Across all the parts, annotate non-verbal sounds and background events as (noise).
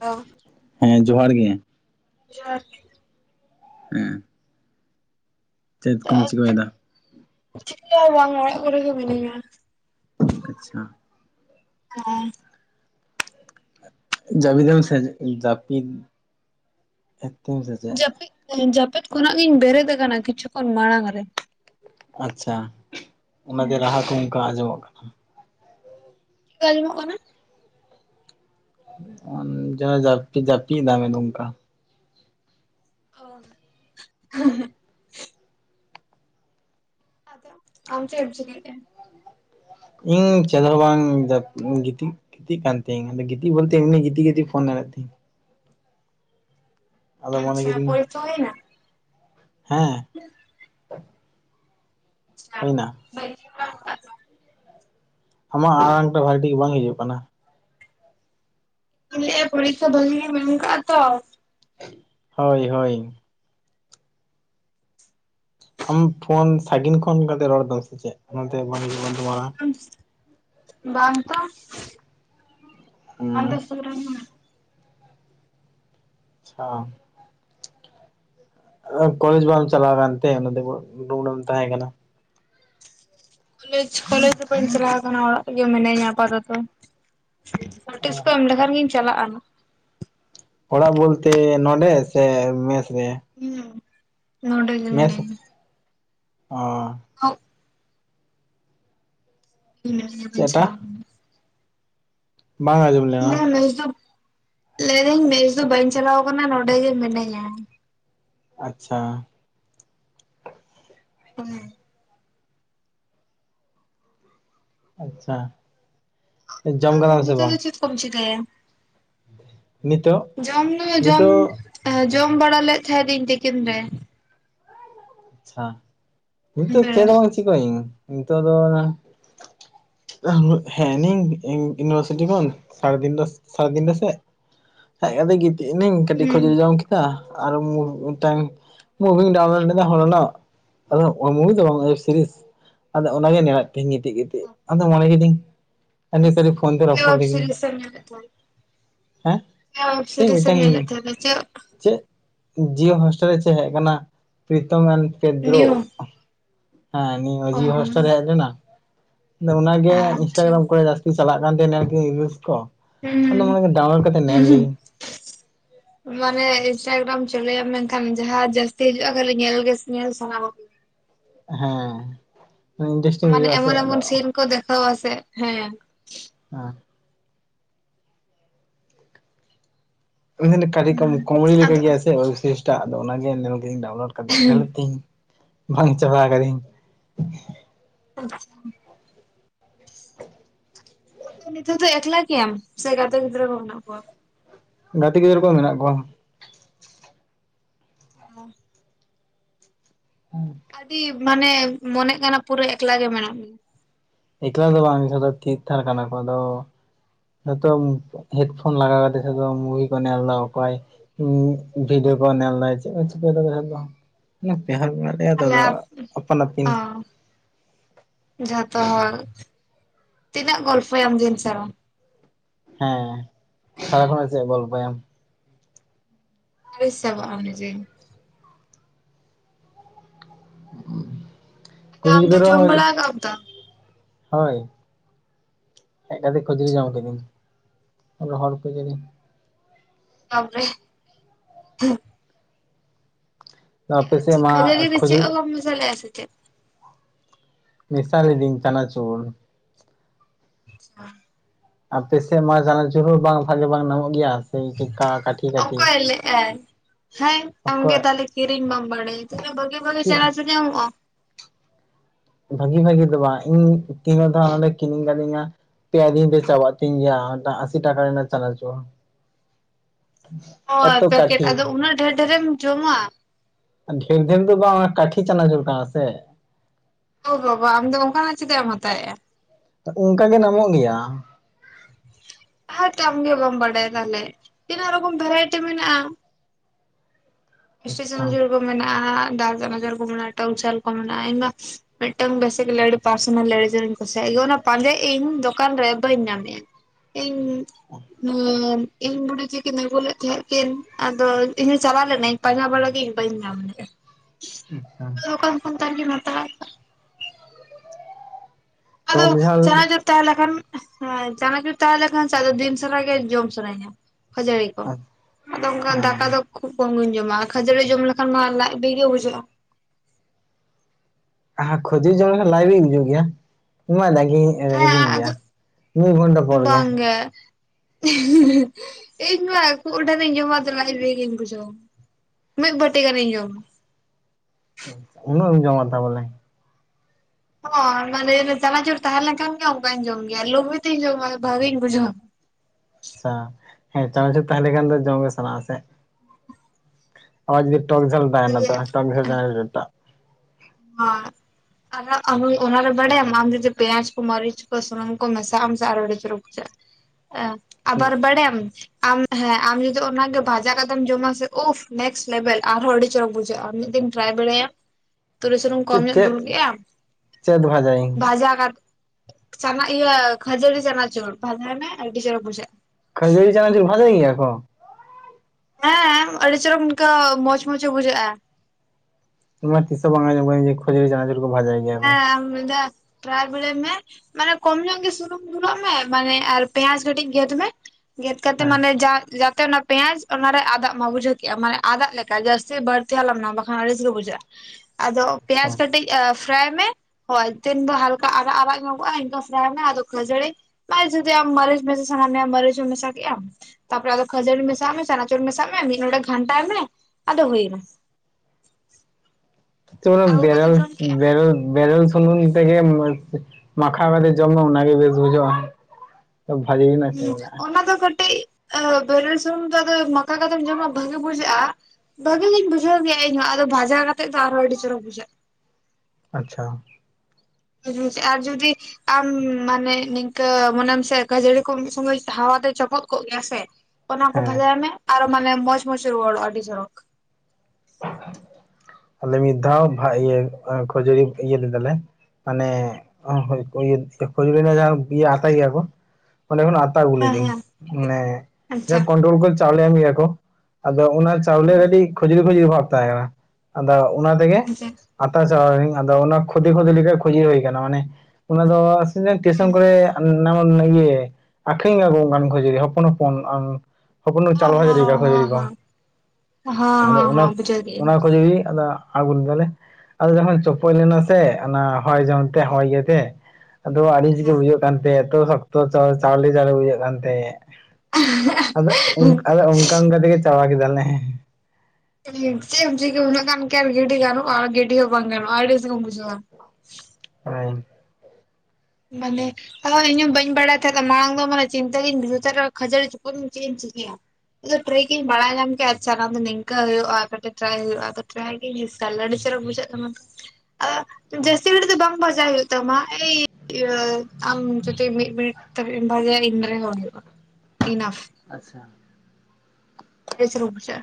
ᱚ, ᱦᱮᱸ ᱡᱚᱦᱟᱨ ᱜᱮ, ᱡᱚᱦᱟᱨ ᱜᱮ᱾ ᱦᱮᱸ, ᱪᱮᱫ ᱠᱚᱢ ᱪᱤᱠᱟᱹ ᱵᱟᱲᱟᱭ ᱫᱟ᱾ ᱪᱮᱫ ᱜᱮ ᱵᱟᱝ ᱚᱲᱟᱜ ᱠᱚᱨᱮ ᱜᱮ ᱢᱤᱱᱟᱹᱧᱟ᱾ ᱟᱪᱪᱷᱟ, ᱦᱮᱸ, ᱡᱟᱹᱯᱤᱫᱢ ᱥᱮᱡ ᱡᱟᱹᱯᱤᱫ ᱮᱛᱮᱢ ᱥᱮ ᱪᱮᱜ, ᱡᱟᱯᱤᱫ ᱠᱷᱚᱱᱟᱜ ᱜᱤᱧ ᱵᱮᱨᱮᱫ ᱟᱠᱟᱱᱟ ᱠᱤᱪᱷᱩ ᱠᱷᱚᱱ ᱢᱟᱲᱟᱝ ᱨᱮ᱾ ᱟᱪᱪᱷᱟ ᱚᱱᱟᱛᱮ ᱪᱮᱫᱠᱟ ᱨᱟᱦᱟ ᱠᱚ ᱚᱱᱠᱟ ᱟᱸᱡᱚᱢᱚᱜ ᱠᱟᱱᱟ᱾ ᱪᱮᱫ ᱠᱟ ᱟᱸᱢᱚᱜ ᱠᱟᱱᱟ, ᱡᱟ ᱡᱟᱯᱤ ᱡᱟᱯᱤᱫᱟᱢ ᱮᱠᱫᱚᱢ ᱚᱱᱠᱟ, ᱚᱸ ᱟᱫᱚ ᱟᱢ ᱪᱮᱜ ᱮᱢ ᱪᱤᱠᱟᱹᱭᱮ ᱛᱮ, ᱤᱧ ᱪᱮᱫ ᱦᱚᱸ ᱵᱟᱝ ᱡᱟᱯ ᱜᱤᱛᱤᱜ, ᱜᱤᱛᱤ ᱠᱟᱱ ᱛᱤᱧ ᱜᱤᱛᱤ ᱵᱚᱞᱛᱮ ᱮᱢᱱᱤ ᱜᱤᱛᱤᱜ ᱜᱤᱛᱤᱜ ᱯᱷᱳᱱ ᱧᱮᱞ ᱛᱤᱧ, ᱟᱫᱚ ᱢᱚᱱᱮ ᱟᱪᱪᱷᱟ ᱠᱤᱫᱟᱹᱧ ᱯᱚᱨᱤ ᱪᱚᱭᱱᱟ, ᱦᱮᱸ ᱦᱮᱸ᱾ (inaudible) ᱦᱩᱭᱱᱟ, (unintelligible) ᱟᱢᱟᱜ ᱟᱲᱟᱝ ᱴᱟ ᱵᱷᱟᱜᱤ ᱵᱟᱝ ᱦᱤᱡᱩᱜ ᱠᱟᱱᱟ᱾ (unintelligible) (unintelligible) ᱯᱚᱨᱤᱜᱪᱷᱟ ᱵᱷᱟᱜᱤ ᱜᱮᱢ ᱮᱢ ᱠᱟᱜ-ᱟ ᱛᱚ, ᱦᱳᱭ ᱦᱳᱭ ᱟᱢ ᱯᱷᱳᱱ ᱥᱟᱹᱜᱤᱧ ᱠᱷᱚᱱ ᱠᱟᱴᱤᱡ ᱨᱚᱲ ᱫᱟᱢ ᱥᱮ ᱪᱮᱫ? ᱚᱱᱟᱛᱮ ᱵᱟᱝ ᱦᱤᱡᱩᱜ ᱠᱟᱱ ᱛᱟᱢᱟ ᱵᱟᱝ ᱛᱚ ᱦᱩᱸ ᱟᱢᱟᱜ ᱫᱚ ᱤᱱᱥᱴᱟᱜᱨᱟᱢ ᱢᱮᱱᱟᱜ ᱪᱷᱟ ᱟᱫᱚ ᱠᱚᱞᱮᱡᱽ ᱵᱟᱢ ᱪᱟᱞᱟᱣ ᱠᱟᱱᱛᱮ ᱚᱱᱟᱛᱮ ᱠᱩ ᱯᱨᱚᱜᱨᱟᱢ ᱛᱟᱦᱮᱸ ᱠᱟᱱᱟ ᱠᱚᱞᱮᱡᱽ ᱠᱚᱞᱮᱡᱽ ᱫᱚ ᱵᱟᱹᱧ ᱪᱟᱞᱟᱣ ᱠᱟᱱᱟ ᱚᱲᱟᱜ ᱨᱮᱜᱮ ᱢᱤᱱᱟᱹᱧᱟ ᱟᱯᱟ ᱛᱚᱛᱚ ᱱᱳᱴᱤᱥ ᱠᱚ ᱮᱢ ᱞᱮᱠᱷᱟᱱ ᱜᱤᱧ ᱪᱟᱞᱟᱜᱼᱟ ᱱᱟᱜ ᱚᱲᱟᱜ ᱵᱚᱞᱛᱮ ᱱᱚᱰᱮ ᱥᱮ ᱢᱮᱥ ᱨᱮ? ᱤᱭᱟᱹ ᱱᱚᱰᱮ ᱜᱮ ᱢᱮᱥ ᱢᱤᱱᱟᱹ ᱧᱟ ᱚ ᱟᱨ ᱪᱮᱫᱴᱟ (inaudible) ᱵᱟᱝ ᱟᱡᱚᱢᱚᱜ ᱤᱭᱟᱹ ᱢᱮᱥ ᱫᱚ ᱞᱟᱹᱭ ᱫᱟᱹᱧ ᱢᱮᱥ ᱫᱚ ᱵᱟᱹᱧ ᱪᱟᱞᱟᱣ ᱟᱠᱟᱱᱟ ᱱᱚᱰᱮ ᱜᱮ ᱢᱤᱱᱟᱹᱧᱟ ᱟᱪᱪᱷᱟ ᱦᱮ ᱟᱪᱪᱷᱟ ᱡᱚᱢ ᱟᱫᱚ ᱠᱟᱫᱟᱢ ᱥᱮ ᱱᱤᱛᱚᱜ ᱵᱟᱝ ᱫᱚ ᱪᱮᱫ ᱠᱚᱢ ᱪᱤᱠᱟᱭᱟ? ᱱᱤᱛᱚᱜ ᱡᱚᱢ ᱧᱩ ᱡᱚᱢ ᱱᱤᱛᱚᱜ ᱡᱚᱢ ᱵᱟᱲᱟ ᱞᱮᱫ ᱛᱟᱦᱮᱸᱱᱤᱧ ᱛᱤᱠᱤᱱ ᱨᱮ ᱪᱷᱟ ᱱᱤᱛᱚᱜ ᱵᱮᱲᱟ ᱪᱮᱫ ᱦᱚ ᱵᱟᱝ ᱪᱤᱠᱚᱭᱤᱧ ᱱᱤᱛᱚᱜ ᱫᱚ ᱚᱱᱟ ᱦᱮᱸ ᱱᱤᱭᱩ ᱤᱭᱩ ᱤᱭᱩᱱᱤᱵᱷᱟᱨᱥᱤᱴᱤ ᱠᱷᱚᱱ ᱥᱟᱨᱮᱛᱤᱱᱴᱟ ᱥᱟᱨᱮᱛᱤᱱᱴᱟ ᱥᱮᱫ ᱦᱮᱡ ᱠᱟᱛᱮ ᱜᱤᱛᱤᱡ ᱮᱱᱟᱹᱧ ᱠᱟᱹᱴᱤᱡ ᱦᱩᱸ ᱠᱷᱚᱡᱚᱨᱤᱧ ᱡᱚᱢ ᱠᱮᱫᱟ ᱟᱨ ᱢᱩ ᱢᱤᱫᱴᱟᱝ ᱢᱩᱵᱷᱤ ᱴᱟᱣᱩᱱᱞᱚᱴ ᱞᱮ ᱟᱫᱚ ᱦᱚᱞᱟᱱᱚᱜ ᱚᱞ ᱢᱩᱵᱷᱤ ᱫᱚ ᱵᱟᱝ ᱚᱭᱤᱵ ᱥᱤᱨᱤᱡ ᱥᱤᱨᱤᱥ ᱟᱫᱚ ᱚ ᱜᱮ ᱱᱮᱞᱮᱫ ᱛᱤᱧ ᱜᱤᱛᱤᱜ ᱜᱤᱛᱤᱜ ᱟᱫᱚ ᱢᱚᱮᱱᱮ ᱠᱤᱫᱤᱧ ᱟᱨ ᱱᱤᱛ ᱟᱱᱤᱜ ᱯᱷᱳᱱ ᱨᱮ ᱵᱟ ᱪᱮᱫ ᱠᱷᱚᱱ ᱳᱭᱮᱵ ᱞᱤᱜᱤᱧ ᱥᱤᱨᱤᱡ ᱮᱢ ᱧᱮᱞᱮᱫ ᱛᱟᱦᱮᱸᱫ ᱦᱮᱸ ᱪᱮᱫ ᱳᱭᱮᱵ ᱥᱤᱨᱤᱡ ᱮᱢ ᱢᱤᱫᱴᱟᱝ ᱧᱮᱞᱮᱫ ᱛᱟᱦᱮᱸᱫ ᱪᱮᱫ ᱡᱤᱭᱳ ᱦᱚᱥᱴᱟᱨ ᱨᱮ ᱪᱮᱫ ᱦᱮᱡ ᱠᱟᱱᱟ ᱯᱨᱤᱛᱚᱢᱟᱱ ᱯᱮᱫᱫᱨᱚ ᱱᱤᱭᱩ ᱦᱮᱸ ᱱᱤ ᱚ ᱚᱡᱤ ᱦᱚ ᱦᱚᱥᱴᱟᱨ ᱨᱮ ᱦᱮᱜ ᱠᱟᱱᱟ ᱚᱱᱟ ᱚᱱᱟᱜᱮ ᱟᱪᱪᱷᱟ ᱤᱱᱥᱴᱟᱜᱨᱟᱢ ᱠᱚᱨᱮ ᱡᱟᱹᱥᱛᱤ ᱪᱟᱞᱟᱜ ᱠᱟᱱ ᱛᱮ ᱧᱮᱞ ᱠᱤᱫᱤᱧ ᱨᱤᱞᱥ ᱠᱚ ᱦᱩᱸ ᱟᱫᱚ ᱢᱚᱱ ᱰᱟᱣᱩᱱᱞᱳᱰ ᱠᱟᱛᱮ ᱧᱮᱞ ᱫᱤᱧ ᱢᱟᱱᱮ ᱤᱱᱥᱴᱟᱜᱨᱟᱢ ᱪᱟᱹᱞᱩᱟᱢ ᱢᱮᱱᱠᱷᱟᱱ ᱡᱟᱦᱟᱸ ᱡᱟᱹᱥᱛᱤ ᱦᱤᱡᱩᱜᱼᱟ ᱠᱷᱟᱹ ᱧᱮᱞ ᱜᱮ ᱧᱮᱞ ᱥᱟᱱᱟᱢ ᱦᱮᱸ ᱤᱱᱴᱟᱨᱮᱥᱴᱤᱝ ᱵᱩᱡ ᱢᱟᱱᱮ ᱟ ᱥᱮ ᱮᱢᱚᱱ ᱟᱫᱚ ᱮᱢᱚᱱ ᱥᱤᱱ ᱠᱚ ᱫᱠᱷᱟᱣ ᱟᱥᱮ ᱦᱮᱸ ᱦᱮᱸ (inaudible) ᱠᱚᱢᱚᱰᱤ ᱞᱮᱠᱟ ᱟᱫᱚ ᱜᱮᱭᱟ ᱥᱮ ᱚᱭᱮᱵ ᱥᱤᱨᱤᱧ ᱴᱟᱜ ᱟᱫᱚ ᱚᱱᱟᱜᱮ ᱧᱮᱞ ᱠᱤᱫᱤᱧ ᱰᱟᱣᱩᱱᱞᱳᱰ ᱠᱟᱛᱮ ᱫᱮᱲ ᱛᱤᱧ ᱵᱟᱝ ᱪᱟᱵᱟ ᱠᱟᱹᱫᱟᱹᱧ (unintelligible) ᱟᱫᱚ ᱱᱤᱛᱚᱜ ᱛᱚ ᱮᱠᱞᱟ ᱠᱮᱭᱟᱢ ᱥᱮ ᱜᱟᱛᱮ ᱜᱤᱫᱽᱨ ᱠᱚ ᱢᱮᱱᱟᱜ ᱠᱚᱣᱟ? ᱜᱟᱛᱮ ᱜᱤᱫᱨᱟᱹ ᱠᱚ ᱢᱮᱱᱟᱜ ᱠᱚᱣᱟ ᱚ ᱦᱩᱸ ᱟᱹᱰᱤ ᱢᱟᱱᱮ ᱢᱚᱱᱮᱜ ᱠᱟᱱᱟ ᱯᱩᱨᱟᱹ ᱮᱠᱞᱟ ᱜᱮ ᱢᱮᱱᱟᱜ ᱢᱮᱭᱟ ᱮᱠᱞᱟ ᱫᱚ ᱵᱟᱝ ᱡᱷᱚᱛᱚ ᱛᱷᱤᱨ ᱛᱷᱟᱨ ᱠᱟᱱᱟ ᱠᱚ ᱟᱫᱚ ᱱᱤᱛᱚᱝ ᱦᱮᱰᱯᱷᱳᱱ ᱞᱟᱜᱟᱣ ᱠᱟᱛᱮ ᱥᱩᱫᱟᱹᱢ ᱢᱩᱵᱷᱤ ᱠᱚ ᱧᱮᱞ ᱫᱟ ᱵᱷᱤᱰᱤᱭᱳ ᱠᱚ ᱧᱮᱞ ᱫᱟ ᱪᱮᱫ ᱠᱚ ᱪᱤᱠᱟᱹᱭ ᱫᱟ ᱯᱮᱦᱟᱞ ᱢᱮᱱᱟ ᱮ ᱛᱟᱦᱞᱮ ᱫᱟᱫᱟ ᱟᱯ ᱟᱯᱟᱱ ᱟᱹᱯᱤᱱ ᱡᱚᱛᱚ ᱦᱚᱲ ᱛᱤᱱᱟᱹᱜ ᱜᱚᱞᱯᱷᱚᱭᱟᱢ ᱫᱤᱱ ᱥᱟᱨᱟ᱾ ᱦᱮᱸ ᱥᱟᱨᱟ ᱠᱷᱚᱱᱟᱜ ᱪᱮᱜ ᱜᱚᱞᱯᱚᱭᱟᱢ? ᱟᱨᱤᱥ ᱪᱟᱵᱟᱜ ᱟᱢ ᱱᱤᱡᱮ᱾ ᱟᱫᱚ ᱠᱩᱲᱤ ᱟᱢ ᱫᱚ ᱜᱤᱫᱽᱨᱟᱹ ᱡᱚᱢ ᱦᱚᱭ ᱵᱟᱲᱟ ᱠᱟᱜ-ᱟᱢ ᱛᱚ? ᱦᱚᱭ ᱦᱮᱜ ᱠᱟᱛᱮ ᱠᱷᱟᱹᱡᱟᱹᱨᱤ ᱡᱚᱢ ᱠᱤᱫᱟᱹᱧ ᱨᱚᱦᱚᱲ ᱠᱟᱡᱟᱹᱲᱤ (unintelligible) ᱟᱯᱮ ᱥᱮᱫ ᱪᱮᱜ ᱢᱟ ᱠᱷᱟᱹᱡᱟᱹᱨᱤ ᱨᱮ ᱪᱮᱜ ᱠᱷᱟᱹᱡᱟᱹᱲᱤ ᱦᱚᱸ ᱵᱟᱢ ᱢᱮᱥᱟ ᱞᱮᱜᱼᱟ ᱥᱮ ᱪᱮᱜ? ᱢᱮᱥᱟ ᱞᱤᱫᱤᱧ ᱪᱟᱱᱟᱪᱩᱲ᱾ ᱪᱷᱟ ᱟᱯᱮ ᱥᱮᱜ ᱢᱟ ᱪᱟᱱᱟᱪᱟᱲ ᱦᱚᱸ ᱵᱟᱝ ᱵᱷᱟᱜᱮ ᱵᱟᱝ ᱱᱟᱢᱚᱜ ᱜᱮᱭᱟ᱾ ᱪᱮᱫᱠᱟ ᱠᱟᱹᱴᱷᱤ ᱠᱟᱹᱴᱷᱤ ᱚᱠᱚᱭ ᱞᱟᱹᱜᱼᱟᱭ? ᱦᱮᱸ ᱟᱢ ᱚᱠᱚᱭ ᱜᱮ ᱛᱟᱦᱞᱮ ᱠᱤᱨᱧ ᱵᱟᱢ ᱵᱟᱰᱟᱭᱟ ᱛᱤᱱᱟᱹᱜ ᱵᱷᱟᱜᱮ ᱵᱷᱟᱜᱮ ᱠᱤ ᱪᱟᱱᱟᱪᱩᱨ ᱧᱟᱢᱚᱜᱼᱟ᱾ ᱵᱷᱟᱹᱜᱤ ᱵᱷᱟᱹᱜᱤ ᱫᱚ ᱵᱟᱝ ᱤᱧ ᱛᱤᱱᱟᱹ ᱫᱷᱟᱣ ᱚᱸᱰᱮ ᱠᱤᱨᱤᱧ ᱠᱟᱫᱤᱧᱟ ᱯᱮᱭᱟ ᱫᱤᱱ ᱛᱮ ᱪᱟᱵᱟᱜ ᱛᱤᱧ ᱜᱮᱭᱟ ᱢᱤᱴᱟ ᱟᱥᱤ ᱴᱟᱠᱟ ᱨᱮᱱᱟᱜ ᱨᱮᱱᱟᱜ ᱪᱟᱱᱟᱪᱩᱨ᱾ ᱦᱳᱭ ᱮᱛᱚ ᱯᱮᱠᱮᱴ ᱠᱟᱴᱷᱤ ᱟᱫᱚ ᱩᱱᱟᱹᱜ ᱰᱷᱮᱨ ᱰᱷᱮᱨᱮᱢ ᱡᱚᱢᱟ? ᱰᱷᱮᱨ ᱰᱷᱮᱨ ᱫᱚ ᱵᱟᱝ ᱠᱟᱴᱷᱤ ᱪᱟᱱᱟᱪᱩᱨ ᱠᱟᱱᱟ ᱥᱮ᱾ ᱚ ᱵᱟᱵᱟ ᱟᱢ ᱫᱚ ᱚᱝᱠᱟᱱᱟᱜ ᱪᱮᱫᱟᱜ ᱮᱢ ᱦᱟᱛᱟᱣᱮᱜᱼᱟ? ᱚᱝᱠᱟ ᱜᱮ ᱱᱟᱢᱚᱜ ᱜᱮᱭᱟ᱾ ᱦᱟᱹᱴ ᱟᱢ ᱜᱮ ᱵᱟᱢ ᱵᱟᱰᱟᱭᱟ ᱛᱟᱦᱞᱮ ᱛᱤᱱᱟᱹᱜ ᱨᱚᱠᱚᱢ ᱵᱷᱮᱨᱟᱭᱴᱤ ᱢᱮᱱᱟᱜᱼᱟ᱾ ᱟᱪᱪᱷᱟ (unintelligible) ᱠᱚ ᱢᱮᱱᱟᱜᱼᱟ, ᱫᱟᱨ ᱪᱟᱱᱟᱪᱚᱨ ᱠᱚ ᱢᱮᱱᱟᱜᱼᱟ ᱴᱟᱣᱩᱱ ᱪᱷᱟᱞ ᱠᱚ ᱢᱮᱱᱟᱜᱼᱟ, ᱟᱭᱢᱟ ᱢᱤᱫᱴᱟᱝ (unintelligible) ᱠᱩᱥᱤᱭᱟᱜᱼᱟ ᱜᱮ ᱚᱱᱟ ᱯᱟᱸᱡᱟᱭᱮᱜ ᱤᱧ ᱫᱚᱠᱟᱱ ᱨᱮ ᱵᱟᱹᱧ ᱧᱟᱢᱮᱜᱼᱟ᱾ ᱤᱧ ᱱᱚ ᱤᱧ ᱵᱩᱰᱤ ᱛᱤᱠᱤᱱ ᱟᱹᱜᱩ ᱞᱮᱜ ᱛᱟᱦᱮᱸᱜ ᱠᱤᱱ ᱟᱫᱚ ᱤᱧ ᱦᱚᱸ ᱪᱟᱞᱟᱣ ᱞᱮᱱᱟᱹᱧ᱾ ᱯᱟᱸᱡᱟ ᱵᱟᱲᱟ ᱠᱮᱜᱼᱤᱧ ᱵᱟᱹᱧ ᱧᱟᱢ ᱞᱮᱜᱼᱟ᱾ ᱟᱪᱪᱷᱟ (unintelligible) ᱦᱟᱛᱟᱣ ᱠᱟᱜ ᱛᱚ ᱵᱤᱦᱟᱞ ᱛᱟᱦᱞᱮ ᱠᱷᱟᱱ ᱮᱸ ᱪᱟᱱᱟᱪᱩᱩᱨ ᱛᱟᱦᱮᱸ ᱞᱮᱠᱷᱟᱱ ᱥᱟᱨᱟᱫᱤᱱ ᱥᱟᱨᱟ ᱜᱮ ᱡᱚᱢ ᱥᱟᱱᱟᱹᱧᱟ ᱠᱷᱟᱹᱡᱟᱹᱲᱤ ᱾ ᱠᱚ ᱟᱫᱚ ᱚᱝᱠᱟ ᱫᱟᱠᱟ ᱦᱮᱸ ᱫᱚ ᱠᱷᱩᱵ ᱠᱚᱢ ᱜᱤᱧ ᱡᱚᱢᱟ᱾ ᱠᱷᱟᱹᱡᱟᱹᱲᱤ ᱡᱚᱢ ᱞᱮᱠᱷᱟᱱ ᱢᱟ ᱞᱟᱡ ᱵᱤ ᱜᱮ ᱵᱩᱡᱷᱟᱹᱜᱼᱟ ᱾ ᱦᱟᱸ ᱠᱷᱟᱹᱡᱟᱹᱲᱤ ᱡᱚᱢ ᱞᱮᱠᱷᱟᱱ ᱞᱟᱭ ᱵᱤ ᱵᱩᱡᱩᱜ ᱜᱮᱭᱟ ᱚᱱᱟ (unintelligible) ᱦᱮᱸ ᱨᱮᱸᱜᱮᱡᱤᱧ ᱜᱮᱭᱟ ᱢᱤᱜ ᱜᱷᱚᱱᱴᱟ ᱯᱚᱨ ᱜᱮ ᱾ ᱮ ᱤᱧ ᱢᱟ (unintelligible) ᱡᱚᱢᱟ ᱟᱫᱚ ᱞᱟᱡ ᱵᱤ ᱜᱮᱧ ᱵᱩᱡᱷᱟᱹᱣ ᱾ ᱢᱤᱫ ᱵᱟᱹᱴᱤ ᱜᱟᱱᱤᱧ ᱡᱚᱢ ᱩᱱᱟᱹᱜ ᱮᱢ ᱡᱚᱢᱟ ᱛᱟ ᱵᱚᱞᱮ? ᱦᱳᱭ ᱢᱟᱱᱮ ᱪᱟᱱᱟᱪᱩᱨ ᱛᱟᱦᱮᱸ ᱞᱮᱱᱠᱷᱟᱱ ᱜᱮ ᱚᱝᱠᱟᱧ ᱡᱚᱢ ᱜᱮᱭᱟ, ᱞᱩᱵᱷᱤ ᱛᱤᱧ ᱡᱚᱢᱟ ᱵᱷᱟᱹᱜᱤᱧ ᱵᱩᱡᱷᱟᱹᱣᱟ ᱾ ᱟᱪᱪᱷᱟ ᱦᱮᱸ ᱪᱟᱱᱟᱪᱩᱨ ᱛᱟᱦᱮᱸ ᱞᱮᱠᱷᱟᱱ ᱫᱚ ᱡᱚᱢ ᱜᱮ ᱥᱟᱱᱟᱣᱟ ᱥᱮ ᱾ ᱟᱵᱟᱨ ᱡᱩᱫᱤ ᱴᱚᱠ ᱡᱷᱟᱞ ᱛᱟᱦᱮᱸᱱᱟ ᱛᱚ ᱦᱚᱸ ᱴᱚᱠ ᱡᱷᱟᱞ ᱪᱟᱱᱟᱨᱩᱨ ᱴᱟᱜ (unintelligible) ᱟᱨᱦᱚᱸ ᱦᱳᱭ ᱚᱱᱟᱨᱮ ᱵᱟᱰᱟᱭᱟᱢ ᱟᱢ ᱡᱩᱫᱤ ᱯᱮᱸᱭᱟᱡ ᱠᱚ, ᱢᱟᱹᱨᱤᱪ ᱠᱚ, ᱥᱩᱱᱩᱢ ᱠᱚᱢ ᱢᱮᱥᱟᱜ ᱟᱢ ᱥᱮ ᱟᱨᱚ ᱟᱹᱰᱤ ᱪᱚᱨᱚᱠ ᱵᱩᱡᱷᱟᱹᱜᱼᱟ ᱾ ᱮ ᱟᱵᱟᱨ ᱵᱟᱰᱟᱭᱟᱢ ᱟᱢ ᱦᱮᱸ ᱟᱢ ᱡᱩᱫᱤ ᱚᱱᱟᱜᱮ ᱵᱷᱟᱡᱟ ᱠᱟᱛᱮᱢ ᱡᱚᱢᱟ ᱥᱮ ᱩᱯ, ᱢᱮᱠᱥ ᱞᱮᱵᱮᱞ ᱟᱨᱦᱚᱸ ᱟᱹᱰᱤ ᱪᱚᱨᱚᱠ ᱵᱩᱡᱷᱟᱹᱜᱼᱟ, ᱢᱤᱫ ᱫᱤᱱ ᱴᱨᱟᱭ ᱵᱟᱲᱟᱭᱟᱢ ᱛᱩᱲᱤ ᱥᱩᱱᱩᱢ ᱠᱚᱢ ᱪᱮᱫ ᱧᱚᱜ ᱪᱮᱫ ᱫᱩᱞ ᱠᱮᱜᱼᱟᱢ ᱪᱮᱫ ᱵᱷᱟᱡᱟᱭᱤᱧ ᱵᱷᱟᱡᱟ ᱠᱟᱛ ᱪᱟᱱᱟ ᱤᱭᱟᱹ ᱠᱷᱟᱹᱡᱟᱹᱲᱤ ᱪᱟᱱᱟᱪᱩᱨ ᱵᱷᱟᱡᱟᱭ ᱢᱮ ᱟᱹᱰᱤ ᱪᱮᱦᱨᱟ ᱵᱩᱡᱟᱹᱜᱼᱟ ᱾ ᱠᱷᱟᱹᱡᱟᱹᱲᱤ ᱪᱟᱱᱟᱪᱩᱨ ᱵᱷᱟᱡᱟᱭ ᱜᱮᱭᱟ ᱠᱚ? ᱦᱮᱸ, ᱟᱹᱰᱤ ᱪᱚᱨᱚᱠ ᱤᱱᱠᱟᱹ ᱢᱚᱸᱪ ᱢᱚᱸᱪᱮ ᱵᱩᱡᱷᱟᱹᱜᱼᱟ ᱾ ᱤᱧ ᱢᱟ ᱛᱤᱥ ᱦᱚᱸ ᱵᱟᱝ ᱟᱸᱡᱚᱢ ᱠᱟᱹᱫᱤᱧ ᱡᱮ, ᱠᱷᱟᱹᱡᱟᱹᱲᱤ ᱪᱟᱱᱟᱪᱩᱨ ᱠᱚ ᱵᱷᱟᱡᱟᱭ ᱜᱮᱭᱟ ᱠᱚ ᱦᱮᱸ ᱟᱢ ᱢᱮᱫ-ᱫᱷᱟᱣ ᱴᱨᱟᱭ ᱵᱟᱹᱲᱟᱹᱭ ᱢᱮ ᱢᱟᱱᱮ ᱠᱚᱢ ᱧᱚᱜ ᱜᱮ ᱥᱩᱱᱩᱢ ᱫᱩᱞᱟᱜ ᱢᱮ ᱢᱟᱱᱮ ᱟᱨ ᱯᱮᱸᱭᱟᱡ ᱠᱟᱹᱴᱤᱡ ᱜᱮᱫ ᱢᱮ ᱾ ᱜᱮᱫ ᱠᱟᱛᱮ ᱦᱮᱸ ᱢᱟᱱᱮ ᱡᱟ ᱡᱟᱠ ᱟᱛᱮ ᱚᱱᱟ ᱯᱮᱸᱭᱟᱡ ᱚᱱᱟ ᱨᱮ ᱟᱫᱟᱜ ᱢᱟ ᱵᱩᱡᱷᱟᱹᱣ ᱠᱮᱜᱼᱟ, ᱢᱟᱱᱮ ᱟᱫᱟᱜ ᱞᱮᱠᱟ ᱡᱟᱹᱥᱛᱤ ᱵᱟᱹᱲᱛᱤ ᱦᱚᱸ ᱟᱞᱚᱢ ᱮᱢᱟᱜᱼᱟ ᱵᱟᱠᱷᱟᱱ ᱟᱹᱲᱤᱥᱮᱜᱮ ᱵᱩᱡᱷᱟᱹᱜᱼᱟ ᱾ ᱟᱫᱚ ᱯᱮᱸᱭᱟᱡ ᱠᱟᱹᱴᱤᱡ ᱯᱷᱨᱟᱭ ᱢᱮ ᱦᱳᱭ ᱛᱤᱱ ᱵᱷᱳᱨ ᱦᱟᱞᱠᱟ ᱟᱨᱟᱜ ᱟᱨᱟᱜ ᱧᱚᱜᱚᱜᱼᱟ ᱤᱱᱠᱟᱹ ᱯᱷᱨᱟᱭ ᱢᱮ ᱾ ᱟᱫᱚ ᱠᱷᱟᱹᱡᱟᱹᱲᱤ ᱟᱨ ᱡᱩᱫᱤ ᱟᱢ ᱢᱟ. ᱨᱤᱪ ᱢᱮᱥᱟ ᱥᱟᱱᱟ ᱢᱮᱭᱟ ᱢᱟᱹᱨᱤᱪ ᱦᱚᱸᱢ ᱢᱮᱥᱟ ᱠᱮᱜ ᱟᱢ ᱾ ᱛᱟᱯᱚᱨᱮ ᱟᱫᱚ ᱠᱷᱟᱹᱡᱟᱹᱲᱤ ᱢᱮᱥᱟ ᱟᱜ ᱢᱮ ᱪᱟᱱᱟᱪᱩᱨ ᱢᱮᱥᱟ ᱟᱜ ᱢᱮ ᱢᱤᱫ ᱰᱚᱸᱰᱮᱠ ᱜᱷᱟᱱᱴᱟᱭ ᱢᱮ, ᱟᱫᱚ ᱦᱩᱭ ᱮᱱᱟ ᱾ ᱛᱚ ᱚᱱᱟ ᱟᱬᱜᱚ ᱠᱟᱛᱮ ᱵᱮᱨᱮᱞ ᱡᱚᱢ ᱠᱮᱜᱼᱟ ᱵᱮᱨᱮᱞ ᱵᱮᱨᱮᱞ ᱥᱩᱱᱩᱢ ᱛᱮᱜᱮᱢ ᱢᱟᱠᱷᱟᱣ ᱠᱟᱛᱮᱜ ᱡᱚᱢ ᱢᱮ ᱚᱱᱟ ᱜᱮ ᱵᱮᱥ ᱵᱩᱡᱷᱟᱹᱜᱼᱟ ᱾ ᱛᱚ ᱵᱷᱟᱹᱡᱤ ᱦᱩᱸ ᱚᱱᱟ ᱫᱚ ᱠᱟᱹᱴᱤᱡ ᱵᱮᱨᱮᱞ ᱥᱩᱱᱩᱢ ᱫᱚ ᱟᱫᱚ ᱢᱟᱠᱷᱟᱣ ᱠᱟᱛᱮᱢ ᱡᱚᱢᱟ ᱵᱷᱟᱹᱜᱤ ᱵᱩᱡᱷᱟᱹᱜᱼᱟ ᱾ ᱵᱷᱟᱹᱜᱤ ᱜᱤᱧ ᱵᱩᱡᱷᱟᱹᱣ ᱜᱮᱭᱟ ᱤᱧ ᱦᱚᱸ ᱾ ᱟᱫᱚ ᱵᱷᱟᱡᱟ ᱠᱟᱛᱮᱫ ᱫᱚ ᱟᱨᱦᱚᱸ ᱟᱹᱰᱤ ᱪᱚᱨᱚᱠ ᱵᱩᱡᱷᱟᱹᱜᱼᱟ ᱾ ᱟᱪᱪᱷᱟ ᱾ ᱢᱩᱪ ᱢᱩᱪᱟᱹᱜ-ᱟ ᱟᱨ ᱡᱩᱫᱤ ᱟᱢ ᱢᱟᱱᱮ ᱱᱤᱝᱠᱟᱹ ᱢᱚᱱᱮᱢ ᱥᱮ ᱠᱷᱟᱹᱡᱟᱲᱤ ᱠᱚ ᱢᱤᱫ ᱥᱚᱢᱚᱭ ᱦᱟᱣᱟ ᱛᱮ ᱪᱚᱯᱚᱫ ᱠᱚᱜ ᱜᱮᱭᱟ ᱥᱮ ᱾ ᱚᱱᱟ ᱠᱚ ᱦᱮᱸ ᱵᱷᱟᱡᱟᱭ ᱢᱮ ᱟᱨᱚ ᱢᱟᱱᱮ ᱢᱚᱸᱪ ᱢᱚᱸᱪᱮ ᱨᱩᱣᱟᱹᱲᱚᱜᱼᱟ ᱟᱹᱰᱤ ᱪᱚᱨᱚᱠ ᱾ (inaudible) ᱟᱞᱮ ᱢᱤᱫ ᱫᱷᱟᱣ ᱵᱷᱟ ᱤᱭᱟᱹ ᱠᱷᱟᱹᱡᱟ. ᱲᱤ ᱤᱭᱟᱹ ᱞᱮᱫᱟ ᱞᱮ ᱾ ᱢᱟᱱᱮ ᱦᱳᱭ ᱠᱷᱟᱹᱡᱟᱹᱲᱤ ᱡᱟᱦᱟᱸ ᱨᱮ ᱤᱭᱟᱹ ᱟᱛᱟᱭ ᱜᱮᱭᱟ ᱠᱚ ᱾ ᱚᱸᱰᱮ ᱠᱷᱚᱱ ᱦᱟᱛᱟᱣ ᱟᱹᱜᱩ ᱦᱮᱸ ᱞᱮᱫᱤᱧ ᱦᱮᱸ ᱾ ᱢᱟᱱᱮ ᱟᱪᱪᱷᱟ ᱡᱟᱦᱟᱸ ᱠᱚᱱᱴᱳᱞ ᱠᱷᱚᱡ ᱪᱟᱣᱞᱮ ᱮᱢ ᱜᱮᱭᱟ ᱠᱚ ᱟᱫᱚ ᱚᱱᱟ ᱪᱟᱣᱞᱮ ᱠᱟᱹᱴᱤᱡ ᱠᱷᱟᱹᱡᱟᱹᱲᱤ ᱠᱷᱟᱹᱡᱟᱹᱲᱤ ᱵᱷᱟᱵᱽ ᱛᱟᱦᱮᱸ ᱠᱟᱱᱟ ᱾ ᱟᱫᱚ ᱚᱱᱟ ᱛᱮᱜᱮ ᱟᱪᱪᱷᱟ ᱟᱛᱟ ᱪᱟᱞᱟᱣ ᱞᱮᱱᱤᱧ ᱾ᱟᱫᱚ ᱚᱱᱟ ᱠᱷᱚᱫᱮ ᱠᱷᱚᱫᱮ ᱞᱮᱠᱟ ᱠᱷᱚᱡᱤ ᱦᱩᱭ ᱠᱟᱱᱟ ᱾ ᱢᱟᱱᱮ ᱚᱱᱟ ᱫᱚ ᱛᱤᱱᱟᱹᱜ ᱴᱮᱥᱚᱱ ᱠᱚᱨᱮ, ᱚᱱᱟ ᱢᱟᱱᱮ ᱤᱭᱮ ᱟᱠᱷᱨᱤᱧ ᱜᱮᱭᱟ ᱠᱚ ᱚᱱᱠᱟᱱ ᱠᱷᱟᱹᱡᱟᱹᱲᱤ, ᱦᱚᱯᱚᱱ ᱦᱚᱯᱚᱱ ᱦᱚᱯᱚᱱ (unintelligible) ᱚ ᱦᱚᱸ ᱠᱷᱟᱹᱡᱟᱹᱲᱤ ᱦᱚᱸ ᱠᱚ ᱾ ᱦᱚᱸ ᱦᱚᱸ ᱟᱫᱚ ᱦᱚᱸ ᱦᱚᱸ ᱚᱱᱟ, ᱵᱩᱡᱷᱟᱹᱣ ᱠᱮᱜ ᱟᱹᱧ ᱚᱱᱟ ᱠᱟᱹᱡᱟᱹᱲᱤ ᱟᱫᱚ ᱟᱹᱜᱩ ᱞᱮᱫᱟ ᱞᱮ ᱾ ᱟᱫᱚ ᱡᱚᱠᱷᱚᱱ ᱪᱚᱯᱚᱫ ᱞᱮᱱᱟ ᱥᱮ ᱚᱱᱟ ᱦᱚᱭ ᱡᱚᱢ ᱛᱮ ᱦᱚᱭ ᱤᱭᱟᱹ ᱛᱮ ᱟᱫᱚ ᱟᱹᱲᱤᱥ ᱜᱮ ᱵᱩᱡᱷᱟᱹᱜ ᱠᱟᱱ ᱛᱟᱦᱮᱸᱫ, ᱮᱛᱚ ᱥᱚᱠᱛᱚ ᱪᱟᱣᱞᱮ ᱪᱟᱣᱞᱮ ᱵᱩᱡᱷᱟᱹᱜ ᱠᱟᱱ ᱛᱟᱦᱮᱸᱫ ᱾ ᱟᱫᱚ ᱟᱫᱚ ᱚᱱᱠᱟ ᱚᱱᱠᱟ ᱛᱮᱜᱮ ᱪᱟᱵᱟ ᱠᱮᱫᱟᱞᱮ ᱾ ᱪᱮᱫ ᱮᱢ ᱪᱤᱠᱟᱹᱭᱟ ᱩᱱᱟᱹᱜ ᱜᱟᱱ ᱠᱤ ᱟᱨ ᱜᱤᱰᱤ ᱜᱟᱱᱚᱜ-ᱟ ᱾ ᱜᱤᱰᱤ ᱦᱚᱸ ᱵᱟᱝ ᱜᱟᱱᱚᱜ-ᱟ ᱟᱲᱤᱥ ᱜᱮᱢ ᱵᱩᱡᱷᱟᱹᱣᱟ ᱾ ᱦᱮᱸ ᱾ ᱢᱟᱱᱮ ᱦᱚᱸ ᱤᱧ ᱵᱟᱹᱧ ᱵᱟᱲᱟᱭ ᱛᱟᱦᱮᱫ ᱫᱚ ᱢᱟᱲᱟᱝ ᱫᱚ ᱢᱟᱱᱮ ᱪᱤᱱᱛᱟᱹ ᱜᱮᱧ ᱵᱩᱡᱷᱟᱹᱣ ᱛᱟᱦᱮᱫᱟ ᱾ ᱠᱷᱟᱹᱡᱟᱲ ᱪᱚᱯᱚᱫ (unintelligible) ᱪᱮᱜ ᱤᱧ ᱪᱤᱠᱟᱹᱭᱟ ᱾ ᱟᱫᱚ ᱴᱨᱤᱠ ᱤᱧ ᱵᱟᱲᱟᱭ ᱧᱟᱢ ᱠᱮᱜ-ᱟ ᱟᱫᱚ ᱴᱷᱤᱠ ᱤᱧ ᱵᱟᱲᱟᱭ ᱧᱟᱢ ᱠᱮᱫ-ᱟ, ᱟᱪᱪᱷᱟ ᱱᱚᱣᱟ ᱫᱚ ᱱᱤᱝᱠᱟᱹ ᱦᱩᱭᱩᱜ-ᱟ ᱟᱨ ᱠᱟᱹᱴᱤᱡ ᱴᱨᱟᱭ ᱦᱩᱭᱩᱜ-ᱟ ᱾ ᱟᱫᱚ ᱴᱨᱟᱭ (unintelligible) ᱟᱹᱰᱤ ᱪᱚᱨᱚᱠ ᱵᱩᱡᱷᱟᱹᱜ ᱠᱟᱱᱟ ᱛᱚ ᱾ (inaudible) ᱟᱨ ᱡᱟᱹᱥᱛᱤ ᱢᱤᱱᱤᱴ ᱫᱚ ᱵᱟᱝ ᱵᱷᱟᱡᱟᱭ ᱦᱩᱭᱩᱜ ᱛᱟᱢᱟ ᱾ ᱮᱭ ᱤᱭᱟᱹ ᱟᱢ ᱡᱚᱫᱤ ᱢᱤᱫ ᱢᱤᱱᱤᱴ ᱛᱮᱢ ᱵᱷᱟᱡᱟᱭᱟ ᱤᱱᱨᱮ ᱦᱚᱸ ᱦᱩᱭᱩᱜ-ᱟ, ᱤᱱᱟᱯᱷ ᱾ ᱟᱪᱪᱷᱟ ᱾ ᱵᱮᱥ (unintelligible)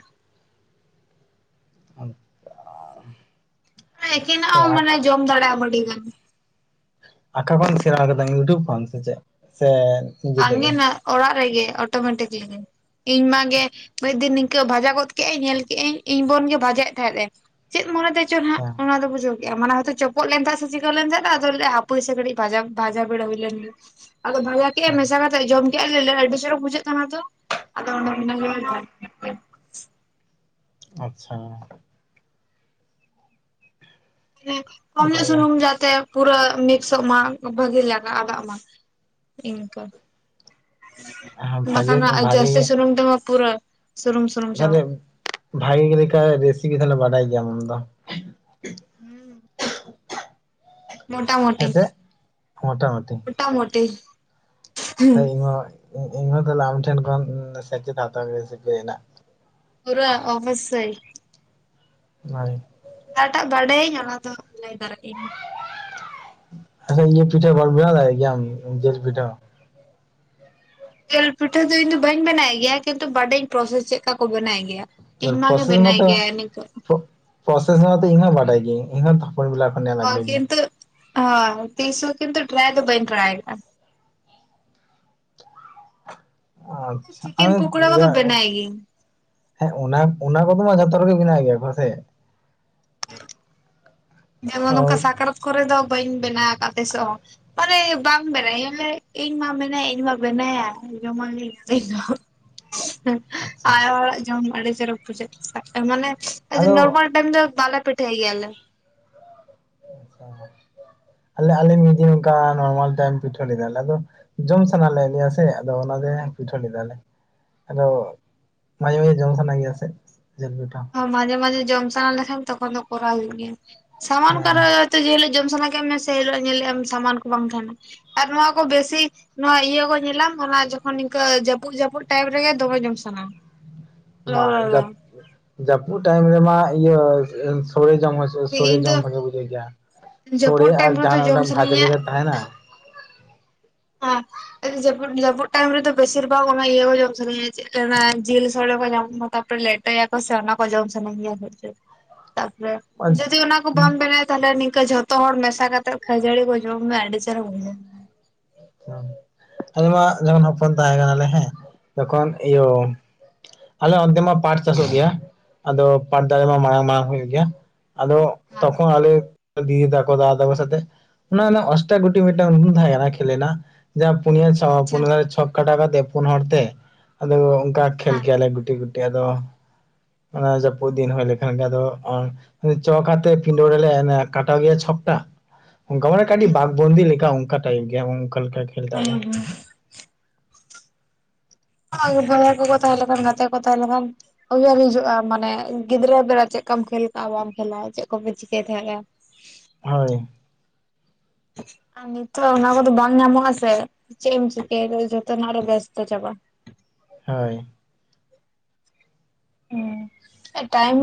ᱟᱫᱚ ᱪᱤᱠᱟᱹᱜ-ᱟ? ᱮᱠᱮᱱᱟᱜ ᱦᱚᱸ ᱢᱟᱱᱮ ᱡᱚᱢ ᱫᱟᱲᱮᱭᱟᱜ-ᱟᱢ ᱟᱹᱰᱤ ᱜᱟᱱ ᱾ ᱟᱸᱠᱟ ᱠᱷᱚᱱ ᱥᱮᱬᱟ ᱟᱠᱟᱫᱟᱢ ᱤᱭᱩᱴᱩᱵᱽ ᱠᱷᱚᱱ ᱥᱮ ᱪᱮᱫ ᱥᱮ ᱱᱤᱡᱮ ᱛᱮᱜᱮ ᱟᱸᱝᱜᱮᱱᱟᱜ ᱚᱲᱟᱜ ᱨᱮᱜᱮ ᱚᱴᱳᱢᱮᱴᱤᱠᱞᱤᱜᱮ ᱤᱧᱢᱟ ᱜᱮ ᱢᱤᱫ ᱫᱤᱱ ᱱᱤᱝᱠᱟᱹ ᱵᱷᱟᱡᱟ ᱜᱚᱫ ᱠᱮᱜ ᱟᱭ ᱧᱮᱞ ᱠᱮᱜ ᱟᱭ ᱤᱧ ᱵᱳᱱ ᱜᱮ ᱵᱷᱟᱡᱟᱭᱮᱫ ᱛᱟᱦᱮᱸᱜ ᱮ ᱪᱮᱫ ᱢᱚᱱᱮᱛᱮ ᱪᱚ ᱥᱟ᱾ ᱟᱫᱚ ᱵᱩᱡᱷᱟᱣ ᱠᱮ ᱟᱢ ᱢᱟᱱᱮ ᱦᱟᱱᱛᱮ ᱪᱚᱯᱚᱜ ᱞᱮᱱ ᱛᱟᱦᱮᱫ ᱥᱮ ᱪᱤᱠᱟᱹ ᱞᱮᱱ ᱛᱟᱦᱮᱫ ᱟᱫᱚ ᱞᱟᱹᱭᱫᱟᱭ ᱦᱟᱯᱚᱭ ᱥᱮ ᱠᱟᱹᱴᱤᱡ ᱵᱷᱟᱡᱟ ᱵᱷᱟᱡᱟ ᱵᱷᱤᱲᱟᱣ ᱦᱩᱭ ᱞᱮᱱ ᱜᱮ᱾ ᱟᱫᱚ ᱵᱷᱟᱞᱟ ᱠᱮᱜ-ᱟᱭ ᱟᱪᱪᱷᱟ ᱢᱮᱥᱟ ᱠᱟᱛᱮᱫ ᱡᱚᱢ ᱠᱮ-ᱟ ᱞᱮ ᱟᱹᱰᱤ ᱪᱚᱨᱚᱠ ᱵᱩᱡᱷᱟᱹᱜ ᱠᱟᱱᱟ ᱛᱚ ᱟᱫᱚ ᱚᱱᱰᱮ ᱠᱷᱚᱱᱟᱜ ᱜᱮ ᱡᱚᱢ ᱟᱸᱪᱪᱷᱟ᱾ ᱢᱟᱱᱮ ᱠᱚᱢᱧᱚᱜ ᱱᱟᱯᱟᱭ ᱥᱩᱱᱩᱢ ᱡᱟᱛᱮ ᱯᱩᱨᱟᱹ ᱢᱤᱠᱥᱚᱜ ᱢᱟ ᱵᱷᱟᱜᱤ ᱞᱮᱠᱟ ᱟᱫᱟᱜ ᱢᱟ ᱤᱱᱠᱟᱹ᱾ ᱜᱮ ᱵᱟᱠᱷᱟᱱ ᱵᱷᱟᱜᱮ ᱦᱟᱜ ᱵᱷᱟᱜᱮ ᱡᱟᱹᱥᱛᱤ ᱜᱮ ᱥᱩᱱᱩᱢ ᱛᱮᱢᱟ ᱯᱩᱨᱟᱹ ᱥᱩᱱᱩᱢ, ᱥᱩᱱᱩᱢ ᱛᱟᱦᱚᱞᱮ ᱪᱟᱵᱟᱜ ᱵᱷᱟᱜᱮ ᱞᱮᱠᱟ ᱨᱮᱥᱤᱯᱤ ᱛᱟᱦᱞᱮ ᱵᱟᱰᱟᱭ ᱜᱮᱭᱟᱢ ᱟᱢ ᱫᱚ᱾ ᱦᱩᱸ ᱢᱳᱴᱟ ᱢᱳᱴᱤ, ᱦᱮᱸᱥᱮ ᱢᱚᱴᱟᱢᱩᱴᱤ ᱢᱳᱴᱟ ᱢᱳᱴᱤ ᱦᱚᱭ ᱤᱧᱦᱚ ᱤᱧᱦᱚᱸ ᱛᱟᱦᱮᱞᱮ ᱟᱢ ᱴᱷᱮᱱ ᱠᱷᱚᱱ ᱥᱮᱪᱮᱫ ᱦᱟᱛᱟᱣ ᱦᱩᱭᱩᱜ-ᱟ ᱨᱮᱥᱤᱯᱤ ᱨᱮᱱᱟᱜ᱾ ᱯᱩᱨᱟᱹ ᱚᱵᱚᱥᱳᱭ᱾ ᱦᱚᱸᱭ ᱡᱟᱦᱟᱸᱴᱟᱜ ᱵᱟᱰᱟᱭᱟᱹᱧ ᱚᱱᱟ ᱫᱚ ᱞᱟᱹᱭ ᱫᱟᱲᱮᱜ ᱟᱹᱧ᱾ ᱟᱪᱪᱷᱟ ᱤᱭᱟᱹ ᱯᱤᱴᱷᱟᱹ ᱠᱚᱢ ᱵᱮᱱᱟᱣ ᱫᱟᱲᱮᱭᱟᱜ ᱜᱮᱭᱟᱢ ᱡᱮᱞ ᱯᱤᱴᱷᱟᱹ? ᱡᱮᱞ ᱯᱤᱴᱷᱟᱹ ᱫᱚ ᱤᱧ ᱫᱚ ᱵᱟᱹᱧ ᱵᱮᱱᱟᱣ ᱜᱮᱭᱟ ᱠᱤᱱᱛᱩ ᱵᱟᱰᱟᱭᱤᱧ ᱯᱨᱚᱥᱮᱥ ᱪᱮᱫᱠᱟ ᱠᱚ ᱵᱮᱱᱟᱣᱮᱫ ᱜᱮᱭᱟ᱾ ᱤᱧ ᱢᱟ ᱜᱮ ᱯᱨᱚᱥᱮᱥ ᱵᱮᱱᱟᱭ ᱢᱟᱛᱚ ᱜᱮᱭᱟᱭ ᱱᱤᱝ ᱠᱟᱹᱜ᱾ ᱯᱨᱚᱥᱮᱥ ᱢᱟᱛᱚ ᱤᱧ ᱦᱚᱸ ᱵᱟᱰᱟᱭ ᱜᱮᱭᱟᱹᱧ ᱤᱧᱦᱚᱸ ᱛᱷᱟᱯᱚᱱ ᱵᱮᱞᱟ ᱠᱷᱚᱱ ᱧᱮᱞ ᱦᱚᱸ ᱟᱹᱜᱩᱭᱫᱤᱧ ᱠᱤᱱᱛᱩ ᱦᱚᱸ ᱛᱤᱥ ᱦᱚᱸ ᱠᱤᱱᱛᱩ ᱴᱨᱟᱭ ᱫᱚ ᱵᱟᱹᱧ ᱴᱨᱟᱭ ᱟᱠᱟᱜ-ᱟ᱾ ᱟᱪᱪᱷᱟ ᱪᱤᱠᱮᱱ ᱟᱫᱚ ᱯᱚᱠᱳᱲᱟ ᱠᱚᱫᱚ ᱡᱟᱭᱦᱳᱠ᱾ ᱵᱮᱱᱟᱭ ᱜᱤᱭᱟᱹᱧ ᱦᱮᱸ ᱚᱱᱟ ᱚᱱᱟ ᱠᱚᱫᱚ ᱢᱟ ᱡᱷᱚᱛᱚ ᱨᱮᱜᱮ ᱢᱮᱱᱟᱜ ᱜᱮᱭᱟ ᱵᱟᱥᱮ? ᱦᱮᱸ ᱡᱮᱢᱚᱱ ᱱᱚᱝᱠᱟ ᱥᱟᱠᱨᱟᱛ ᱠᱚᱨᱮ ᱫᱚ ᱵᱟᱹᱧ ᱵᱮᱱᱟᱣ ᱟᱠᱟᱫ ᱛᱤᱥᱚᱜ ᱦᱚᱸ᱾ ᱢᱟᱱᱮ ᱵᱟᱝ ᱵᱮᱱᱟᱭᱟ ᱞᱮ ᱤᱧ ᱢᱟ ᱢᱮᱱᱟᱭᱟ ᱤᱧ ᱢᱟ ᱵᱮᱱᱟᱭᱟᱭ ᱡᱚᱢᱟᱞᱤᱧ ᱟᱹᱞᱤᱧᱫᱚ᱾ ᱟᱪᱪᱷᱟ ᱟᱭᱳ ᱦᱚᱲᱟᱜ ᱡᱚᱢ ᱟᱹᱰᱤ ᱪᱚᱨᱚᱠ ᱵᱩᱡᱷᱟᱹᱜ ᱢᱟᱱᱮ ᱟᱫᱚ ᱱᱚᱨᱢᱟᱞ ᱫᱚ ᱵᱟᱞᱮ ᱯᱤᱴᱷᱟᱹᱭ ᱜᱮᱭᱟᱞᱮ᱾ ᱟᱸᱪᱪᱷᱟ ᱟᱞᱮ ᱟᱞᱮ ᱢᱤᱫ ᱫᱤᱱ ᱚᱱᱠᱟ ᱱᱚᱨᱢᱟᱞ ᱴᱟᱭᱤᱢ ᱯᱤᱴᱷᱟᱹ ᱞᱮᱫᱟᱞᱮ ᱟᱫᱚ ᱡᱚᱢ ᱥᱟᱱᱟᱞᱮᱜ ᱞᱮᱭᱟ ᱥᱮ ᱟᱫᱚ ᱚᱱᱟᱛᱮ ᱯᱤᱴᱷᱟᱹ ᱞᱮᱫᱟᱞᱮ᱾ ᱟᱫᱚ ᱢᱟᱡᱷᱮ ᱢᱟᱡᱷᱮ ᱡᱚᱢ ᱥᱟᱱᱟᱧ ᱜᱮᱭᱟ ᱥᱮ ᱡᱮᱞ ᱯᱤᱴᱷᱟᱹ᱾ ᱚᱸ ᱢᱟᱡᱷᱮ ᱢᱟᱡᱷᱮ ᱡᱚᱢ ᱥᱟᱱᱟ ᱞᱮᱠᱷᱟᱱ ᱛᱚᱠᱷᱚᱱ ᱫᱚ ᱠᱚᱨᱟᱣ ᱦᱩᱭᱩᱜ ᱜᱮᱭᱟ ᱥᱟᱢᱟᱱ ᱚᱠᱟᱨᱮ ᱦᱮᱸ ᱡᱮ ᱦᱤᱞᱳᱜ ᱡᱚᱢ ᱥᱟᱱᱟ ᱠᱮᱫ ᱢᱮ ᱥᱮ ᱦᱤᱞᱳᱜ ᱧᱮᱞᱮᱜ-ᱟᱢ ᱥᱟᱢᱟᱱ ᱠᱚ ᱵᱟᱝ ᱛᱟᱦᱮᱱᱟ ᱟᱨ ᱱᱚᱣᱟ ᱠᱚ ᱵᱮᱥᱤ ᱱᱚᱣᱟ ᱤᱭᱟᱹ ᱠᱚ ᱧᱮᱞᱟᱢ ᱚᱱᱟ ᱡᱚᱠᱷᱚᱱ ᱤᱱᱠᱟᱹ ᱡᱟᱹᱯᱩᱫ ᱡᱟᱹᱯᱩᱫ ᱴᱟᱭᱤᱯ ᱨᱮᱜᱮ ᱫᱚᱢᱮ ᱡᱚᱢ ᱥᱟᱱᱟᱣᱟ᱾ ᱢᱟ ᱡᱟᱹᱯ ᱡᱟᱹᱯᱩᱫ ᱴᱟᱭᱤᱢ ᱨᱮᱢᱟ ᱤᱭᱟᱹ ᱥᱚᱲᱮ ᱡᱚᱢ ᱦᱚ ᱪᱚ ᱥᱚᱲᱮ ᱤᱧ ᱫᱚ ᱡᱚᱢ ᱵᱷᱟᱜᱮ ᱵᱩᱡᱷᱟᱹᱣᱟᱹᱜ ᱜᱮᱭᱟ ᱥᱚᱲᱮ ᱡᱟᱹᱯᱩᱫ ᱟᱨ ᱴᱟᱭᱤᱢ ᱨᱮᱫᱚ ᱡᱟᱦᱟᱱᱟᱜ ᱢᱤᱫ ᱡᱚᱢ ᱴᱟᱝ ᱵᱷᱟᱡᱟ ᱥᱟᱱᱟᱧᱟ ᱞᱮᱠᱟ ᱛᱟᱦᱮᱸᱱᱟ᱾ ᱟᱠᱥ ᱟᱫᱚ ᱡᱟᱹᱯᱩᱫ ᱡᱟᱹᱯᱩᱫ ᱴᱟᱭᱤᱢ ᱨᱮ ᱫᱚ ᱵᱮᱥᱤᱨ ᱵᱷᱟᱜ ᱚᱱᱟ ᱤᱭᱟᱹ ᱠᱚ ᱡᱚᱢ ᱥᱟᱹᱱᱟᱹᱧᱟ ᱡᱤᱞ ᱥᱚᱲᱮ ᱠᱚ ᱧᱟᱢᱚᱜ ᱢᱟ ᱛᱟᱯᱚᱨᱮ ᱞᱮᱴ ᱴᱚᱭ ᱟᱠᱚ ᱥᱮ ᱚᱱᱟ ᱠᱚ ᱡᱚᱢ ᱥᱟᱹᱱᱟᱹᱧ ᱜᱮᱭᱟ ᱪᱮᱫᱟᱜ ᱥᱮ ᱡᱩᱫᱤ ᱚᱱᱟ ᱠᱚ ᱵᱟᱢ ᱵᱮᱱᱭᱟ᱾ ᱛᱟᱦᱞᱮ ᱱᱤᱝᱠᱟᱹ ᱡᱷᱚᱛᱚ ᱦᱚᱲ ᱢᱮᱥᱟ ᱠᱟᱛᱮᱫ ᱠᱷᱟᱹᱡᱟᱹᱲᱤ ᱠᱚ ᱡᱚᱢ ᱢᱮ ᱟᱹᱰᱤ ᱪᱮᱦᱨᱟ ᱵᱩᱡᱟᱹᱜᱼᱟ᱾ ᱟᱞᱮ ᱢᱟ ᱡᱚᱠᱷᱚᱱ ᱦᱚᱯᱚᱱ ᱛᱟᱦᱮᱸ ᱠᱟᱱᱟᱞᱮ ᱦᱮᱸ ᱛᱚᱠᱷᱚᱱ ᱤᱭᱟᱹ ᱟᱞᱮ ᱚᱱᱛᱮ ᱢᱟ ᱯᱟᱴ ᱪᱟᱥᱚᱜ ᱜᱮᱭᱟ᱾ ᱟᱫᱚ ᱯᱟᱴ ᱫᱟᱨᱮ ᱢᱟ ᱢᱟᱲᱟᱝ ᱢᱟᱲᱟᱝ ᱦᱳᱭᱳᱜ ᱜᱮᱭᱟ ᱟᱫᱚ ᱛᱚᱠᱷᱚᱱ ᱟᱞᱮ ᱫᱤᱫᱤ ᱛᱟᱠᱚ ᱫᱟᱫᱟ ᱛᱟᱠᱚ ᱥᱟᱛᱮ ᱚᱱᱮ ᱚᱱᱮ ᱚᱥᱴᱟ ᱜᱩᱴᱤ ᱢᱤᱫᱴᱟᱝ ᱩᱱ ᱛᱟᱦᱮᱸ ᱠᱟᱱᱟ᱾ ᱞᱮᱱᱟ ᱡᱟᱦᱟᱸ ᱯᱩᱱᱭᱟᱹ ᱪᱷᱚᱠ ᱟᱪᱪᱷᱟ ᱯᱩᱱᱭᱟ ᱨᱮ ᱪᱷᱚᱠ ᱠᱟᱴᱟᱣ ᱠᱟᱛᱮ ᱯᱩᱱ ᱦᱚᱲ ᱛᱮ ᱟᱫᱳ ᱚᱱᱠᱟ ᱠᱷᱮᱞ ᱠᱮᱭᱟᱞᱮ ᱜᱩᱴᱤ ᱜᱩᱴᱤ ᱟᱫᱚ ᱚᱱᱟ ᱡᱟᱹᱯᱩᱫ ᱫᱤᱱ ᱦᱩᱭ ᱞᱮᱠᱷᱟᱱ ᱜᱮ ᱟᱫᱳ ᱚᱱ ᱪᱚᱠ ᱟᱛᱮ ᱯᱤᱸᱰᱟᱹ ᱨᱮᱞᱮ ᱮᱱᱮᱡ ᱠᱟᱴᱟ ᱜᱮᱭᱟ ᱪᱷᱚᱠ ᱴᱟᱜ ᱚᱱᱠᱟ ᱢᱟᱱᱮ ᱠᱟᱹᱴᱤᱡ ᱵᱟᱜᱽ ᱫᱚᱱᱫᱤ ᱞᱮᱠᱟ ᱚᱱᱠᱟ ᱴᱟᱭᱤᱯ ᱜᱮᱭᱟ ᱚᱱᱠᱟ ᱞᱮᱠᱟ ᱜᱮ ᱠᱷᱮᱞ ᱴᱟᱜ ᱦᱚᱸ ᱦᱚᱸ ᱟᱭ ᱵᱟᱵᱟ ᱠᱳ ᱠᱳ ᱛᱟᱦᱮᱸ ᱞᱮᱱ ᱠᱷᱟᱱ ᱜᱟᱛᱮ ᱠᱳ ᱛᱟᱦᱮᱸ ᱞᱮᱱ ᱠᱷᱟᱱ ᱩᱭᱦᱟᱹᱨ ᱦᱤᱡᱩᱜᱼᱟ ᱢᱟᱱᱮ ᱜᱤᱫᱽᱨᱟᱹ ᱵᱮᱲᱟ ᱪᱮᱫ ᱠᱟᱢ ᱠᱷᱮᱞ ᱠᱟᱜᱼᱟ ᱵᱟᱢ ᱠᱷᱮᱞᱟ ᱪᱮᱫ ᱠᱚᱯᱮ ᱪᱤᱠᱟᱹᱭ ᱛᱟᱦᱮᱸᱜᱼᱟ ᱦᱳᱭ ᱟᱨ ᱱᱤᱛᱚᱜ ᱚᱱᱟ ᱠᱚ ᱫᱚ ᱵᱟᱝᱢ ᱧᱟᱢᱚᱜᱼᱟ ᱥᱮ ᱪᱮᱫ ᱮᱢ ᱪᱤᱠᱟᱹᱭᱟ ᱡᱚᱛᱚᱱᱟᱜ ᱨᱮ ᱵᱮᱥᱛᱚ ᱪᱟᱵᱟ᱾ ᱦᱳᱭ ᱦᱩᱸ ᱴᱟᱭᱤᱡ